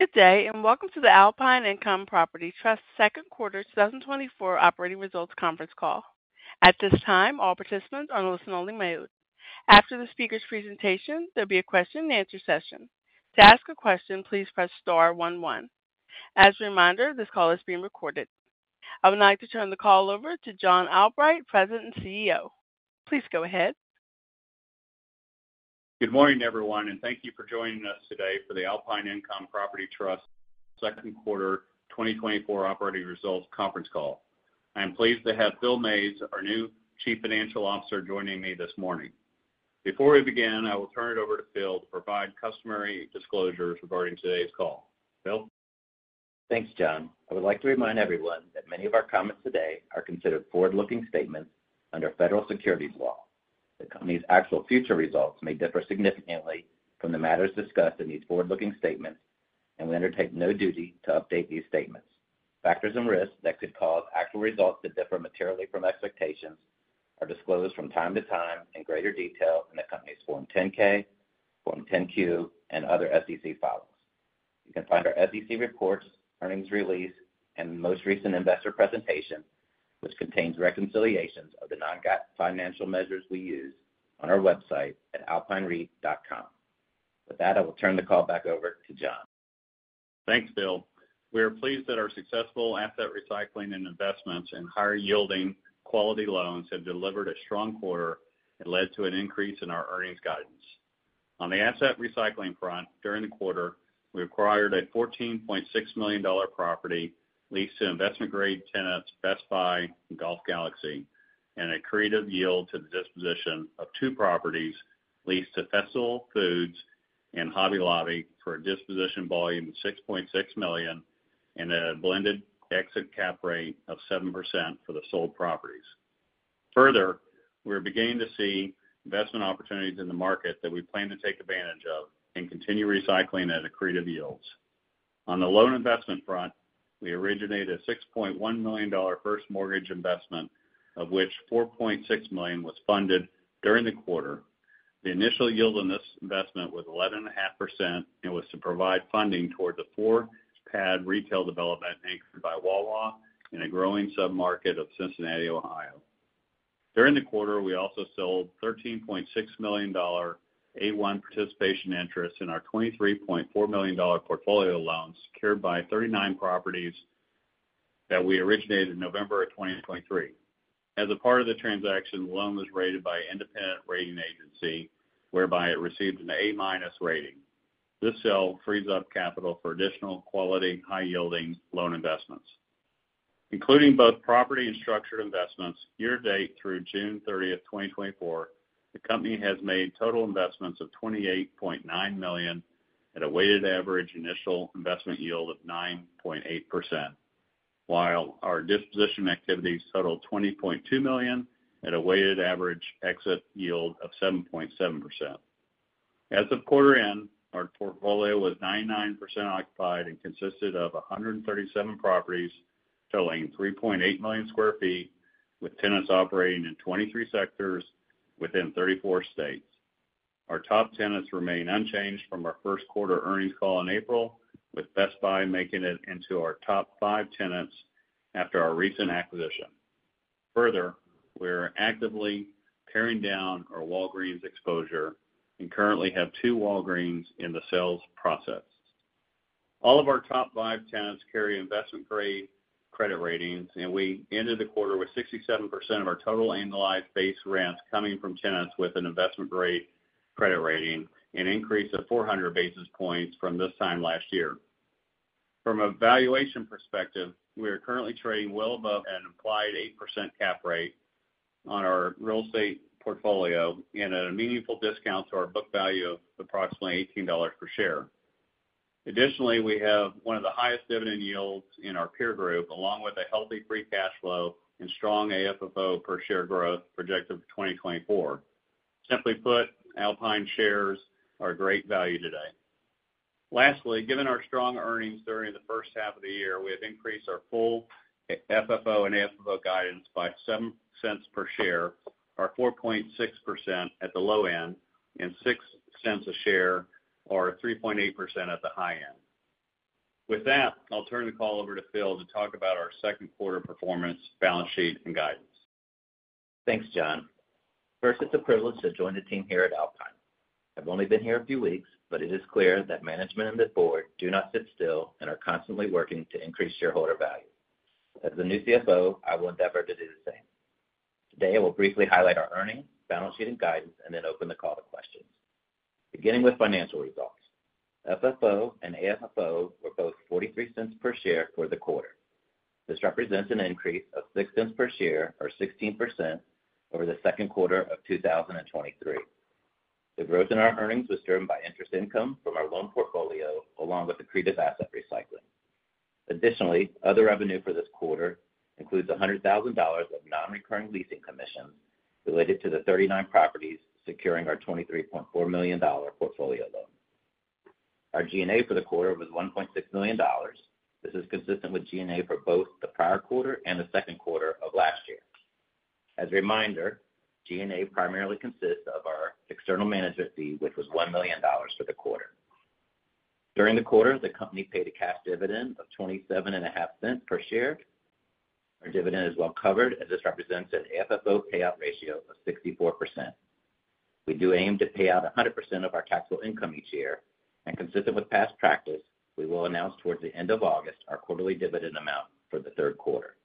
Good day, and welcome to the Alpine Income Property Trust second quarter 2024 operating results conference call. At this time, all participants are on a listen-only mode. After the speaker's presentation, there'll be a question-and-answer session. To ask a question, please press star one one. As a reminder, this call is being recorded. I would now like to turn the call over to John Albright, President and CEO. Please go ahead. Good morning, everyone, and thank you for joining us today for the Alpine Income Property Trust second quarter 2024 operating results conference call. I am pleased to have Phil Mays, our new Chief Financial Officer, joining me this morning. Before we begin, I will turn it over to Phil to provide customary disclosures regarding today's call. Phil? Thanks, John. I would like to remind everyone that many of our comments today are considered forward-looking statements under federal securities law. The company's actual future results may differ significantly from the matters discussed in these forward-looking statements, and we undertake no duty to update these statements. Factors and risks that could cause actual results to differ materially from expectations are disclosed from time to time in greater detail in the company's Form 10-K, Form 10-Q, and other SEC filings. You can find our SEC reports, earnings release, and most recent investor presentation, which contains reconciliations of the non-financial measures we use, on our website at alpinereit.com. With that, I will turn the call back over to John. Thanks, Phil. We are pleased that our successful asset recycling and investments in higher-yielding, quality loans have delivered a strong quarter and led to an increase in our earnings guidance. On the asset recycling front, during the quarter, we acquired a $14.6 million property leased to investment-grade tenants Best Buy and Golf Galaxy, and achieved an accretive yield on the disposition of two properties leased to Festival Foods and Hobby Lobby for a disposition volume of $6.6 million and a blended exit cap rate of 7% for the sold properties. Further, we are beginning to see investment opportunities in the market that we plan to take advantage of and continue recycling at accretive yields. On the loan investment front, we originated a $6.1 million first mortgage investment, of which $4.6 million was funded during the quarter. The initial yield on this investment was 11.5% and was to provide funding toward the four-pad retail development anchored by Wawa in a growing submarket of Cincinnati, Ohio. During the quarter, we also sold $13.6 million A1 participation interest in our $23.4 million portfolio loans secured by 39 properties that we originated in November of 2023. As a part of the transaction, the loan was rated by an independent rating agency, whereby it received an A-rating. This sale frees up capital for additional quality, high-yielding loan investments. Including both property and structured investments, year to date through June 30, 2024, the company has made total investments of $28.9 million at a weighted average initial investment yield of 9.8%, while our disposition activities totaled $20.2 million at a weighted average exit yield of 7.7%. As of quarter end, our portfolio was 99% occupied and consisted of 137 properties totaling 3.8 million sq ft, with tenants operating in 23 sectors within 34 states. Our top tenants remain unchanged from our first quarter earnings call in April, with Best Buy making it into our top five tenants after our recent acquisition. Further, we're actively paring down our Walgreens exposure and currently have two Walgreens in the sales process. All of our top five tenants carry investment-grade credit ratings, and we ended the quarter with 67% of our total annualized base rents coming from tenants with an investment-grade credit rating, an increase of 400 basis points from this time last year. From a valuation perspective, we are currently trading well above an implied 8% cap rate on our real estate portfolio and at a meaningful discount to our book value of approximately $18 per share. Additionally, we have one of the highest dividend yields in our peer group, along with a healthy free cash flow and strong AFFO per share growth projected for 2024. Simply put, Alpine shares are a great value today. Lastly, given our strong earnings during the first half of the year, we have increased our full FFO and AFFO guidance by $0.07 per share, or 4.6% at the low end, and $0.06 per share, or 3.8% at the high end. With that, I'll turn the call over to Phil to talk about our second quarter performance, balance sheet, and guidance. Thanks, John. First, it's a privilege to join the team here at Alpine. I've only been here a few weeks, but it is clear that management and the board do not sit still and are constantly working to increase shareholder value. As the new CFO, I will endeavor to do the same. Today, I will briefly highlight our earnings, balance sheet, and guidance, and then open the call to questions. Beginning with financial results, FFO and AFFO were both $0.43 per share for the quarter. This represents an increase of $0.06 per share, or 16%, over the second quarter of 2023. The growth in our earnings was driven by interest income from our loan portfolio, along with accretive asset recycling. Additionally, other revenue for this quarter includes $100,000 of non-recurring leasing commissions related to the 39 properties securing our $23.4 million portfolio loan. Our G&A for the quarter was $1.6 million. This is consistent with G&A for both the prior quarter and the second quarter of last year. As a reminder, G&A primarily consists of our external management fee, which was $1 million for the quarter. During the quarter, the company paid a cash dividend of $0.275 per share. Our dividend is well covered, as this represents an AFFO payout ratio of 64%. We do aim to pay out 100% of our taxable income each year, and consistent with past practice, we will announce towards the end of August our quarterly dividend amount for the third quarter.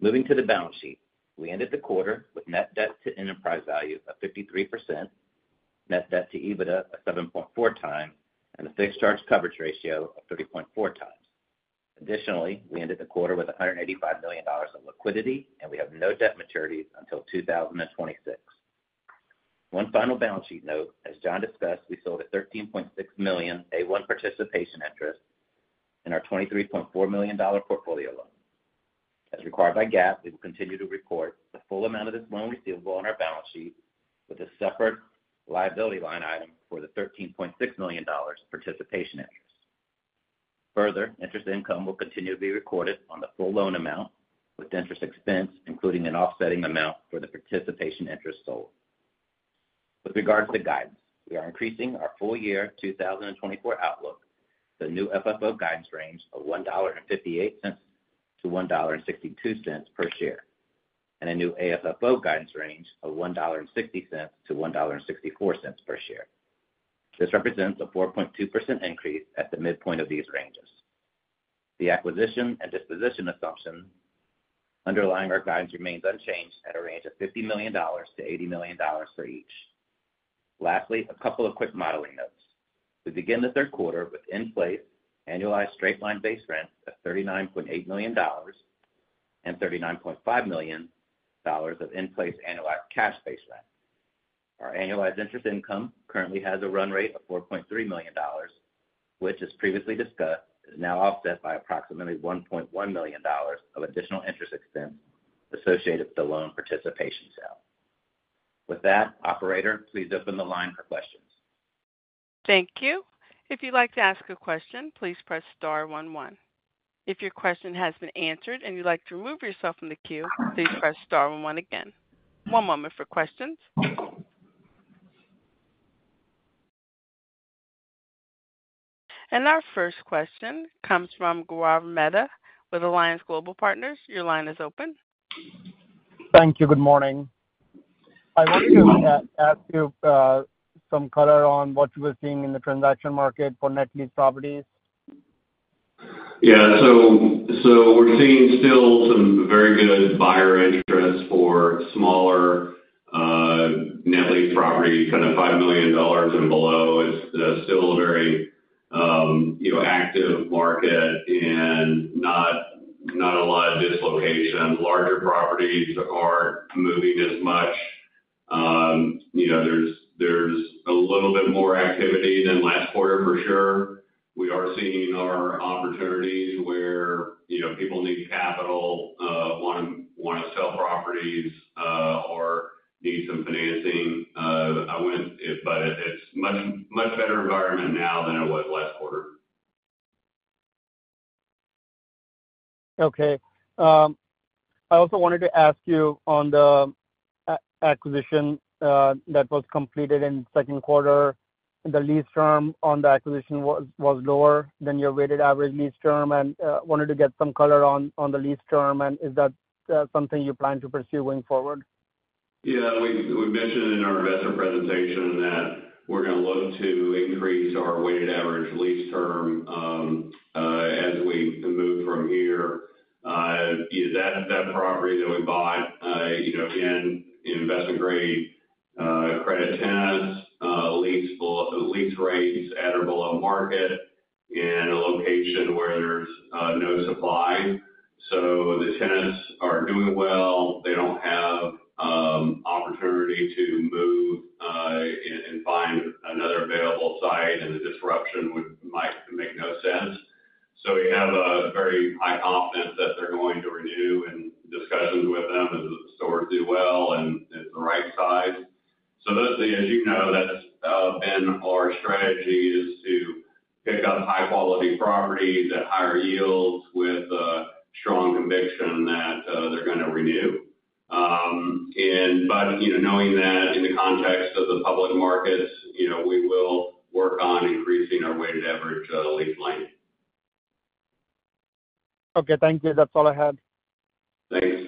Moving to the balance sheet, we ended the quarter with net debt to enterprise value of 53%, net debt to EBITDA of 7.4 times, and a fixed charge coverage ratio of 30.4 times. Additionally, we ended the quarter with $185 million of liquidity, and we have no debt maturities until 2026. One final balance sheet note: as John discussed, we sold a $13.6 million A1 participation interest in our $23.4 million portfolio loan. As required by GAAP, we will continue to report the full amount of this loan receivable on our balance sheet with a separate liability line item for the $13.6 million participation interest. Further, interest income will continue to be recorded on the full loan amount, with interest expense, including an offsetting amount for the participation interest sold. With regards to guidance, we are increasing our full year 2024 outlook to a new FFO guidance range of $1.58-$1.62 per share and a new AFFO guidance range of $1.60-$1.64 per share. This represents a 4.2% increase at the midpoint of these ranges. The acquisition and disposition assumption underlying our guidance remains unchanged at a range of $50 million-$80 million for each. Lastly, a couple of quick modeling notes. We begin the third quarter with in-place annualized straight-line base rents of $39.8 million and $39.5 million of in-place annualized cash base rent. Our annualized interest income currently has a run rate of $4.3 million, which, as previously discussed, is now offset by approximately $1.1 million of additional interest expense associated with the loan participation sale. With that, Operator, please open the line for questions. Thank you. If you'd like to ask a question, please press star one one. If your question has been answered and you'd like to remove yourself from the queue, please press star one one again. One moment for questions. Our first question comes from Gaurav Mehta with Alliance Global Partners. Your line is open. Thank you. Good morning. I wanted to ask you some color on what you were seeing in the transaction market for net lease properties. Yeah. So we're seeing still some very good buyer interest for smaller net lease property, kind of $5 million and below. It's still a very active market and not a lot of dislocation. Larger properties aren't moving as much. There's a little bit more activity than last quarter, for sure. We are seeing our opportunities where people need capital, want to sell properties, or need some financing. But it's a much better environment now than it was last quarter. Okay. I also wanted to ask you on the acquisition that was completed in the second quarter. The lease term on the acquisition was lower than your weighted average lease term, and I wanted to get some color on the lease term. And is that something you plan to pursue going forward? Yeah. We mentioned in our investor presentation that we're going to look to increase our weighted average lease term as we move from here. That property that we bought, again, investment-grade credit tenants, lease rates at or below market, and a location where there's no supply. So the tenants are doing well. They don't have opportunity to move and find another available site, and the disruption might make no sense. So we have a very high confidence that they're going to renew, and discussions with them as the stores do well and the right size. So as you know, that's been our strategy, is to pick up high-quality properties at higher yields with a strong conviction that they're going to renew. But knowing that in the context of the public markets, we will work on increasing our weighted average lease length. Okay. Thank you. That's all I had. Thanks.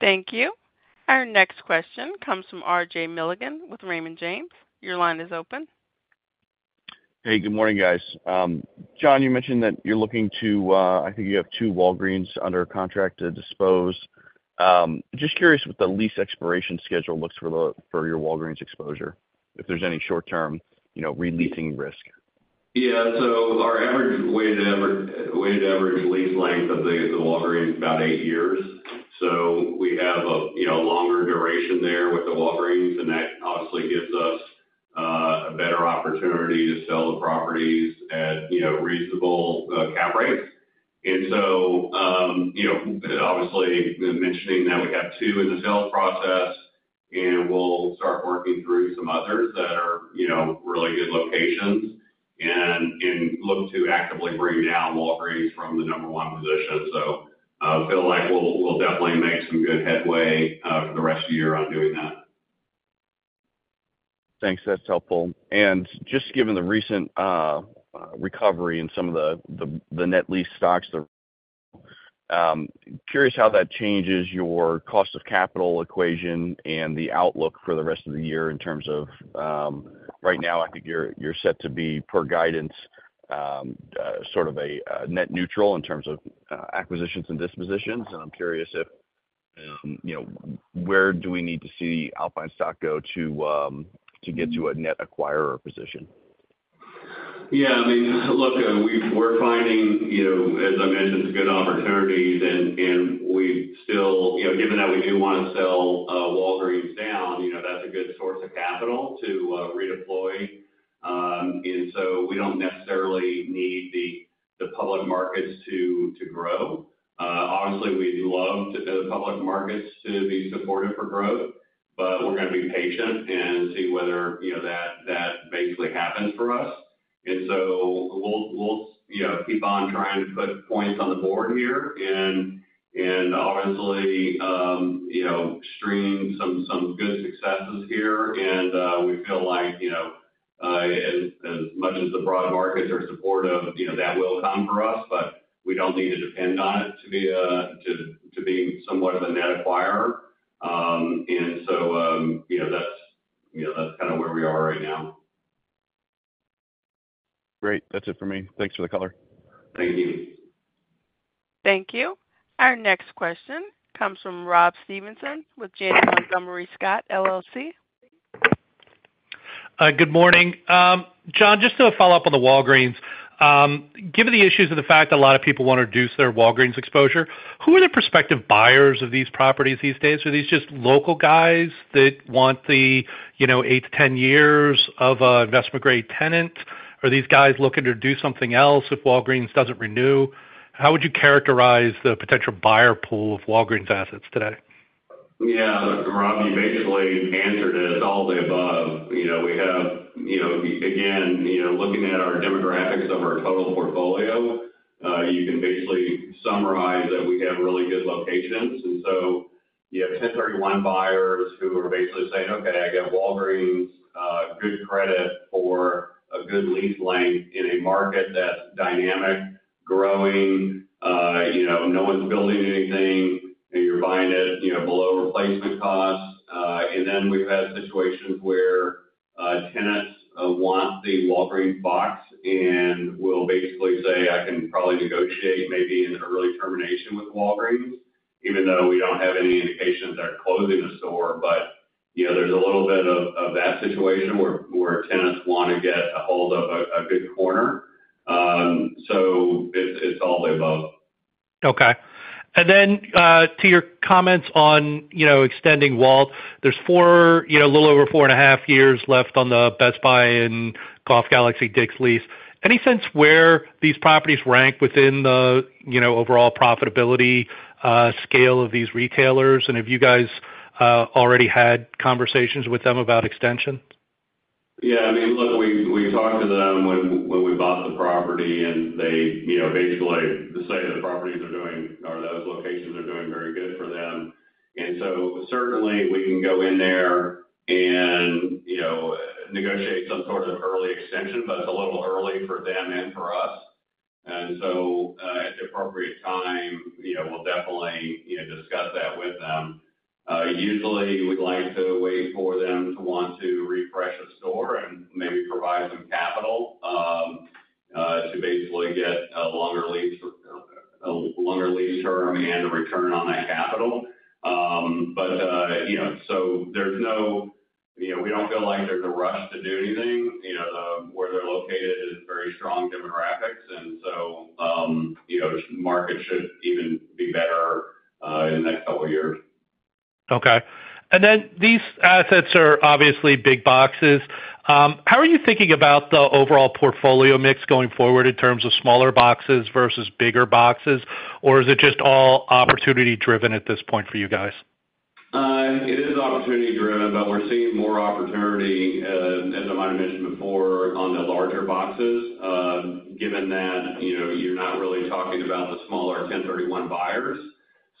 Thank you. Our next question comes from RJ Milligan with Raymond James. Your line is open. Hey, good morning, guys. John, you mentioned that you're looking to—I think you have two Walgreens under contract to dispose. Just curious what the lease expiration schedule looks for your Walgreens exposure, if there's any short-term releasing risk. Yeah. So our weighted average lease length of the Walgreens is about eight years. So we have a longer duration there with the Walgreens, and that obviously gives us a better opportunity to sell the properties at reasonable cap rates. And so obviously, mentioning that we have two in the sales process, and we'll start working through some others that are really good locations and look to actively bring down Walgreens from the number one position. So I feel like we'll definitely make some good headway for the rest of the year on doing that. Thanks. That's helpful. And just given the recent recovery in some of the net lease stocks, curious how that changes your cost of capital equation and the outlook for the rest of the year in terms of right now, I think you're set to be, per guidance, sort of net neutral in terms of acquisitions and dispositions. And I'm curious where do we need to see Alpine stock go to get to a net acquirer position? Yeah. I mean, look, we're finding, as I mentioned, some good opportunities, and we still, given that we do want to sell Walgreens down, that's a good source of capital to redeploy. And so we don't necessarily need the public markets to grow. Obviously, we'd love the public markets to be supportive for growth, but we're going to be patient and see whether that basically happens for us. And so we'll keep on trying to put points on the board here and obviously stream some good successes here. And we feel like as much as the broad markets are supportive, that will come for us, but we don't need to depend on it to be somewhat of a net acquirer. And so that's kind of where we are right now. Great. That's it for me. Thanks for the color. Thank you. Thank you. Our next question comes from Rob Stevenson with Janney Montgomery Scott, LLC. Good morning. John, just to follow up on the Walgreens, given the issues of the fact that a lot of people want to reduce their Walgreens exposure, who are the prospective buyers of these properties these days? Are these just local guys that want the 8-10 years of an investment-grade tenant, or are these guys looking to do something else if Walgreens doesn't renew? How would you characterize the potential buyer pool of Walgreens assets today? Yeah. Rob, you basically answered it. It's all of the above. We have, again, looking at our demographics of our total portfolio, you can basically summarize that we have really good locations. And so you have 1031 buyers who are basically saying, "Okay, I get Walgreens, good credit for a good lease length in a market that's dynamic, growing. No one's building anything, and you're buying it below replacement costs." And then we've had situations where tenants want the Walgreens box and will basically say, "I can probably negotiate maybe an early termination with Walgreens," even though we don't have any indication that they're closing the store. But there's a little bit of that situation where tenants want to get a hold of a good corner. So it's all of the above. Okay. And then to your comments on extending WALT, there's a little over 4.5 years left on the Best Buy and Golf Galaxy, Dick's lease. Any sense where these properties rank within the overall profitability scale of these retailers? And have you guys already had conversations with them about extension? Yeah. I mean, look, we talked to them when we bought the property, and they basically say the properties are doing, or those locations are doing very good for them. And so certainly, we can go in there and negotiate some sort of early extension, but it's a little early for them and for us. And so at the appropriate time, we'll definitely discuss that with them. Usually, we'd like to wait for them to want to refresh the store and maybe provide some capital to basically get a longer lease term and a return on that capital. But so there's no, we don't feel like there's a rush to do anything. Where they're located is very strong demographics, and so the market should even be better in the next couple of years. Okay. And then these assets are obviously big boxes. How are you thinking about the overall portfolio mix going forward in terms of smaller boxes versus bigger boxes, or is it just all opportunity-driven at this point for you guys? It is opportunity-driven, but we're seeing more opportunity, as I might have mentioned before, on the larger boxes, given that you're not really talking about the smaller 1031 buyers.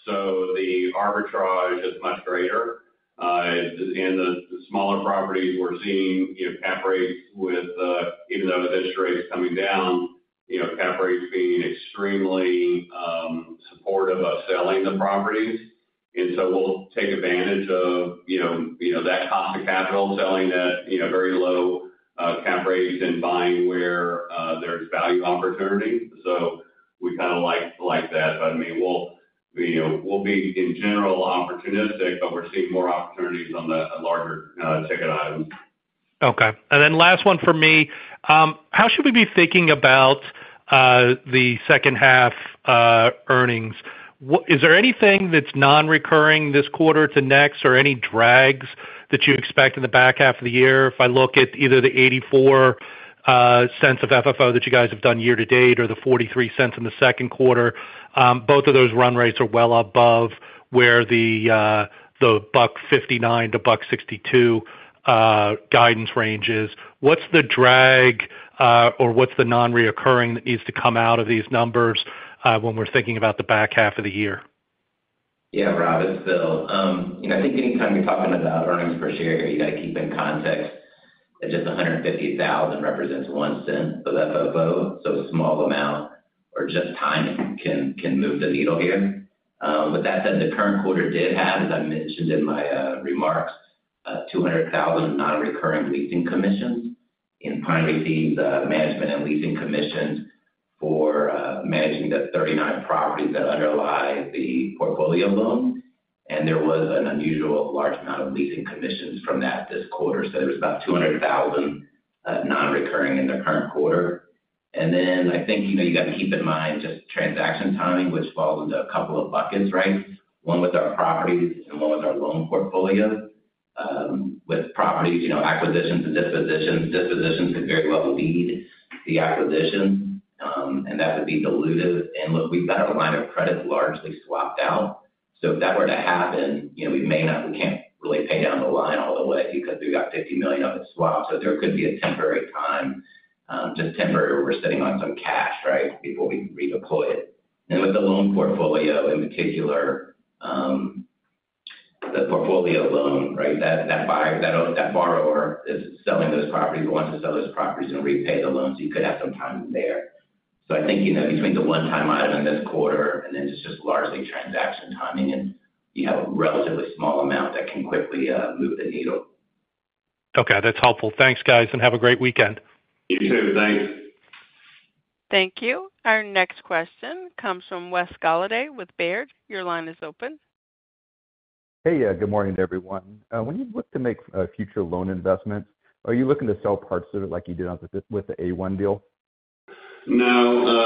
So the arbitrage is much greater. And the smaller properties, we're seeing cap rates with—even though the interest rate's coming down—cap rates being extremely supportive of selling the properties. And so we'll take advantage of that cost of capital, selling at very low cap rates and buying where there's value opportunity. So we kind of like that. But I mean, we'll be, in general, opportunistic, but we're seeing more opportunities on the larger ticket items. Okay. And then last one for me. How should we be thinking about the second half earnings? Is there anything that's non-recurring this quarter to next, or any drags that you expect in the back half of the year? If I look at either the $0.84 of FFO that you guys have done year to date or the $0.43 in the second quarter, both of those run rates are well above where the $1.59-$1.62 guidance range is. What's the drag, or what's the non-recurring that needs to come out of these numbers when we're thinking about the back half of the year? Yeah, Rob, it's Phil. I think anytime you're talking about earnings per share, you got to keep in context that just $150,000 represents $0.01 of FFO. So a small amount, or just time, can move the needle here. With that said, the current quarter did have, as I mentioned in my remarks, $200,000 non-recurring leasing commissions and facilities management and leasing commissions for managing the 39 properties that underlie the portfolio loan. And there was an unusually large amount of leasing commissions from that this quarter. So there was about $200,000 non-recurring in the current quarter. Then I think you got to keep in mind just transaction timing, which falls into a couple of buckets, right? One with our properties and one with our loan portfolio. With properties, acquisitions and dispositions, dispositions could very well lead the acquisitions, and that would be diluted. Look, we've got our line of credit largely swapped out. So if that were to happen, we can't really pay down the line all the way because we've got $50 million of it swapped. So there could be a temporary time, just temporary, where we're sitting on some cash, right, before we redeploy it. And with the loan portfolio in particular, the portfolio loan, right, that borrower is selling those properties, wants to sell those properties and repay the loan. So you could have some time there. So I think between the one-time item in this quarter and then just largely transaction timing, you have a relatively small amount that can quickly move the needle. Okay. That's helpful. Thanks, guys, and have a great weekend. You too. Thanks. Thank you. Our next question comes from Wes Golladay with Baird. Your line is open. Hey, good morning, everyone. When you look to make future loan investments, are you looking to sell parts of it like you did with the A1 deal? No.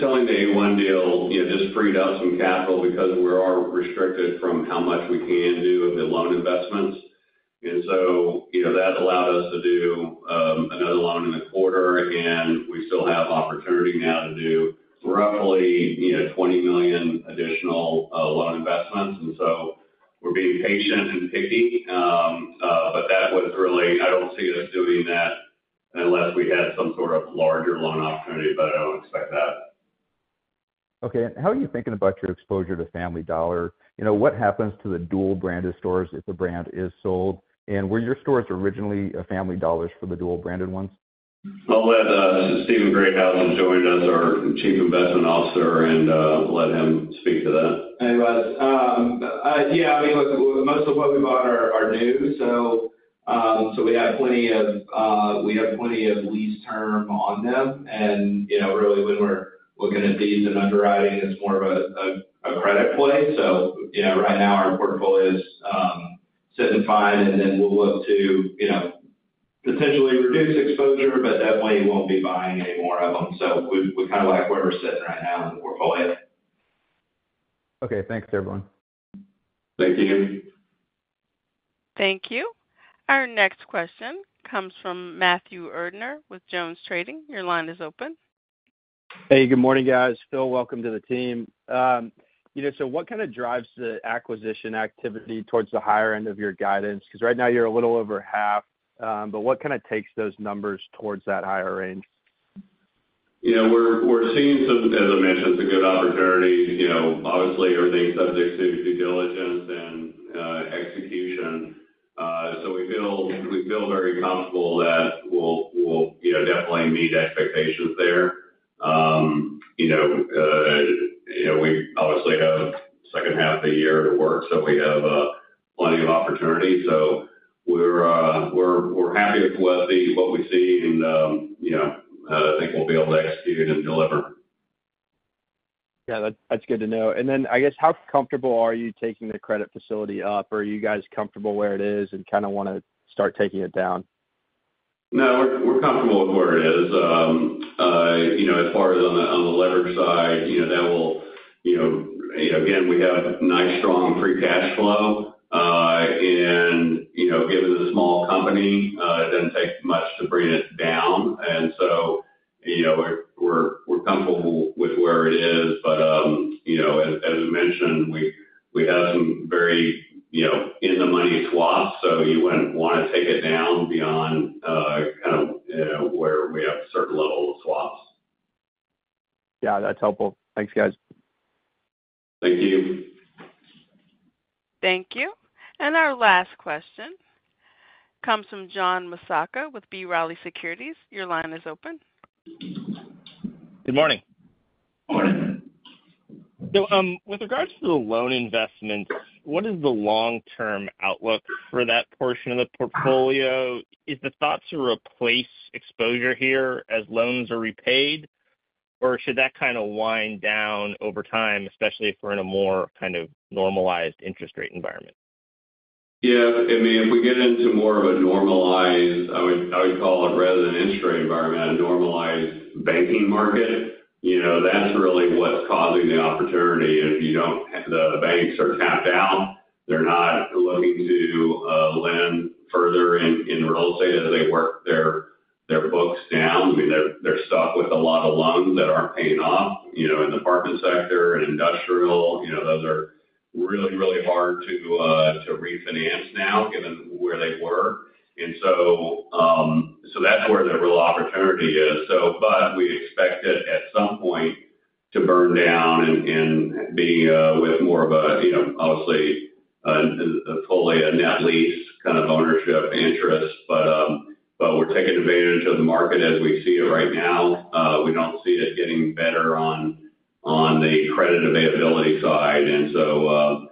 Selling the A1 deal just freed up some capital because we are restricted from how much we can do of the loan investments. And so that allowed us to do another loan in the quarter, and we still have opportunity now to do roughly $20 million additional loan investments. And so we're being patient and picky, but that was really, I don't see us doing that unless we had some sort of larger loan opportunity, but I don't expect that. Okay. And how are you thinking about your exposure to Family Dollar? What happens to the dual-branded stores if the brand is sold? And were your stores originally Family Dollars for the dual-branded ones? I'll let Steven Greathouse who joined us, our Chief Investment Officer, and let him speak to that. Hey, Wes. Yeah. I mean, look, most of what we bought are new. So we have plenty of—we have plenty of lease term on them. And really, when we're looking at these and underwriting, it's more of a credit play. So right now, our portfolio's sitting fine, and then we'll look to potentially reduce exposure, but definitely won't be buying any more of them. So we kind of like where we're sitting right now in the portfolio. Okay. Thanks, everyone. Thank you. Thank you. Our next question comes from Matthew Erdner with Jones Trading. Your line is open. Hey, good morning, guys. Phil, welcome to the team. So what kind of drives the acquisition activity towards the higher end of your guidance? Because right now, you're a little over half, but what kind of takes those numbers towards that higher range? We're seeing some, as I mentioned, it's a good opportunity. Obviously, everything's subject to due diligence and execution. So we feel very comfortable that we'll definitely meet expectations there. We obviously have the second half of the year to work, so we have plenty of opportunity. So we're happy with what we see, and I think we'll be able to execute and deliver. Yeah. That's good to know. And then I guess, how comfortable are you taking the credit facility up? Are you guys comfortable where it is and kind of want to start taking it down? No, we're comfortable with where it is. As far as on the leverage side, that will, again, we have nice, strong, free cash flow. And given the small company, it doesn't take much to bring it down. And so we're comfortable with where it is. But as I mentioned, we have some very in-the-money swaps, so you wouldn't want to take it down beyond kind of where we have a certain level of swaps. Yeah. That's helpful. Thanks, guys. Thank you. Thank you. Our last question comes from John Massocca with B. Riley Securities. Your line is open. Good morning. Morning. So with regards to the loan investments, what is the long-term outlook for that portion of the portfolio? Is the thought to replace exposure here as loans are repaid, or should that kind of wind down over time, especially if we're in a more kind of normalized interest rate environment? Yeah. I mean, if we get into more of a normalized, I would call it rather than an interest rate environment, a normalized banking market, that's really what's causing the opportunity. If the banks are tapped out, they're not looking to lend further in real estate as they work their books down. I mean, they're stuck with a lot of loans that aren't paying off in the apartment sector and industrial. Those are really, really hard to refinance now, given where they were. And so that's where the real opportunity is. But we expect it at some point to burn down and be with more of a, obviously, fully a net lease kind of ownership interest. But we're taking advantage of the market as we see it right now. We don't see it getting better on the credit availability side. And so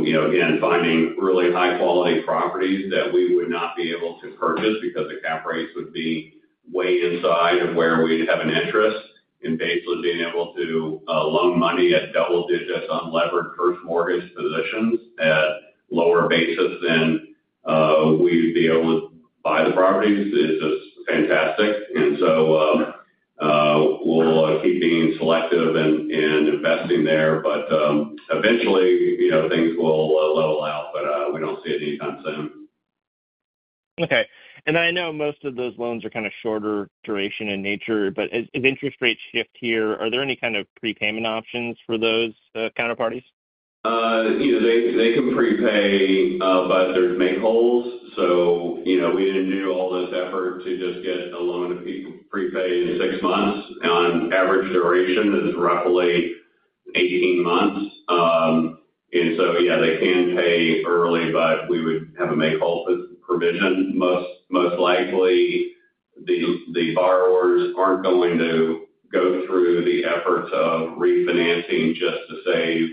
again, finding really high-quality properties that we would not be able to purchase because the cap rates would be way inside of where we'd have an interest in basically being able to loan money at double digits on levered first mortgage positions at lower bases than we'd be able to buy the properties is just fantastic. And so we'll keep being selective and investing there. But eventually, things will level out, but we don't see it anytime soon. Okay. And I know most of those loans are kind of shorter duration in nature, but as interest rates shift here, are there any kind of prepayment options for those counterparties? They can prepay, but there's make-whole. So we didn't do all this effort to just get a loan to prepay in six months. On average duration, it's roughly 18 months. And so yeah, they can pay early, but we would have a make-whole provision. Most likely, the borrowers aren't going to go through the efforts of refinancing just to save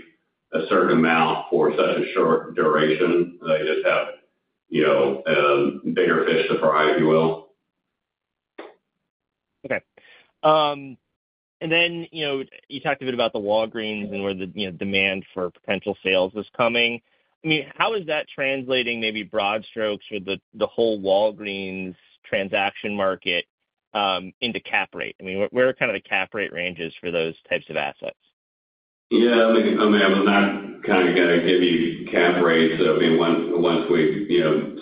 a certain amount for such a short duration. They just have a bigger fish to fry, if you will. Okay. And then you talked a bit about the Walgreens and where the demand for potential sales is coming. I mean, how is that translating maybe broad strokes with the whole Walgreens transaction market into cap rate? I mean, where are kind of the cap rate ranges for those types of assets? Yeah. I mean, I'm not kind of going to give you cap rates. I mean, once we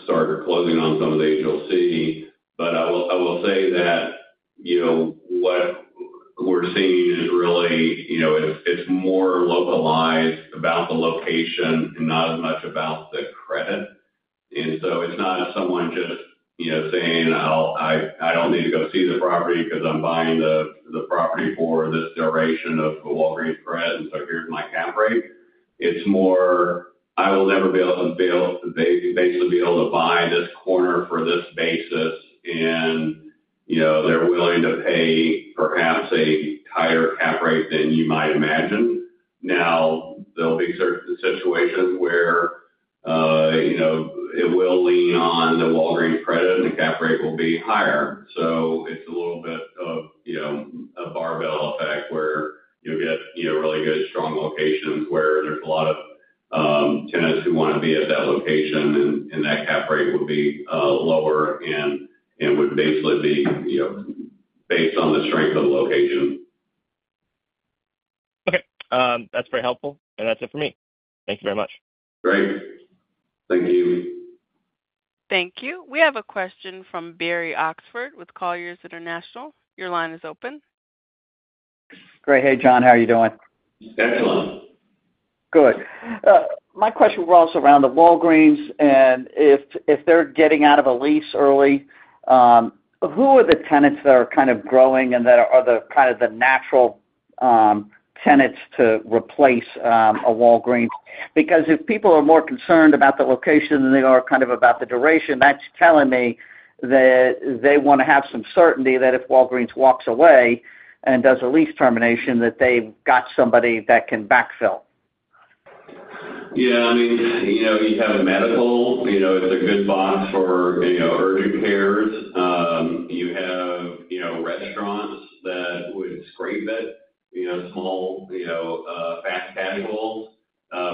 start closing on some of these, you'll see. But I will say that what we're seeing is really it's more localized about the location and not as much about the credit. And so it's not someone just saying, "I don't need to go see the property because I'm buying the property for this duration of the Walgreens credit, and so here's my cap rate." It's more, "I will never be able to basically be able to buy this corner for this basis, and they're willing to pay perhaps a higher cap rate than you might imagine." Now, there'll be certain situations where it will lean on the Walgreens credit, and the cap rate will be higher. It's a little bit of a barbell effect where you'll get really good, strong locations where there's a lot of tenants who want to be at that location, and that cap rate would be lower and would basically be based on the strength of the location. Okay. That's very helpful. That's it for me. Thank you very much. Great. Thank you. Thank you. We have a question from Barry Oxford with Colliers International. Your line is open. Great. Hey, John. How are you doing? Excellent. Good. My question was also around the Walgreens. And if they're getting out of a lease early, who are the tenants that are kind of growing and that are kind of the natural tenants to replace a Walgreens? Because if people are more concerned about the location than they are kind of about the duration, that's telling me that they want to have some certainty that if Walgreens walks away and does a lease termination, that they've got somebody that can backfill. Yeah. I mean, you have a medical. It's a good box for urgent cares. You have restaurants that would scrape it, small fast casuals,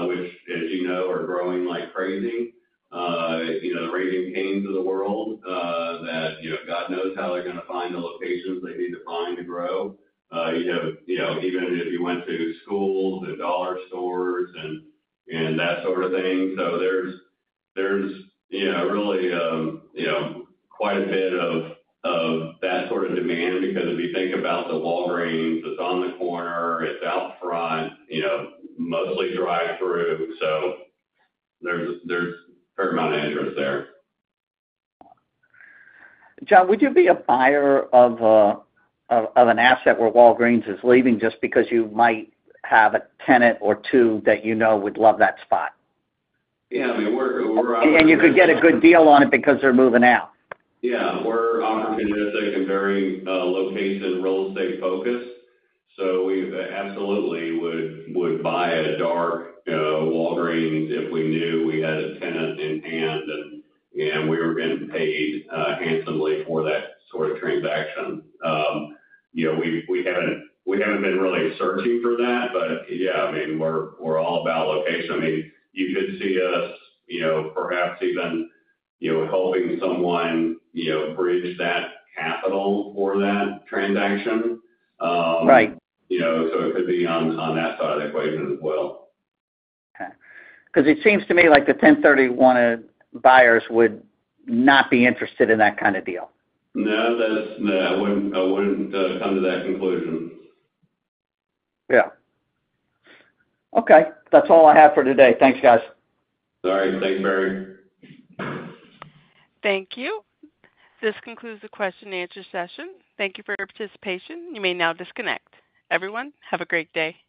which, as you know, are growing like crazy. The Raising Cane's of the world that God knows how they're going to find the locations they need to find to grow. Even if you went to schools and dollar stores and that sort of thing. So there's really quite a bit of that sort of demand because if you think about the Walgreens, it's on the corner. It's out front, mostly drive-through. So there's a fair amount of interest there. John, would you be a buyer of an asset where Walgreens is leaving just because you might have a tenant or two that you know would love that spot? Yeah. I mean, we're opportunistic. You could get a good deal on it because they're moving out. Yeah. We're opportunistic and very location real estate focused. So we absolutely would buy a dark Walgreens if we knew we had a tenant in hand, and we were getting paid handsomely for that sort of transaction. We haven't been really searching for that, but yeah, I mean, we're all about location. I mean, you could see us perhaps even helping someone bridge that capital for that transaction. So it could be on that side of the equation as well. Okay. Because it seems to me like the 1031 buyers would not be interested in that kind of deal. No, I wouldn't come to that conclusion. Yeah. Okay. That's all I have for today. Thanks, guys. All right. Thanks, Barry. Thank you. This concludes the question-and-answer session. Thank you for your participation. You may now disconnect. Everyone, have a great day.